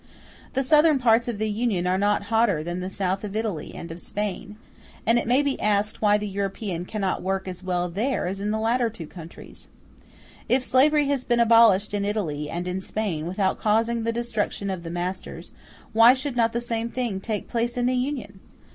The southern parts of the Union are not hotter than the South of Italy and of Spain; *p and it may be asked why the European cannot work as well there as in the two latter countries. If slavery has been abolished in Italy and in Spain without causing the destruction of the masters, why should not the same thing take place in the Union?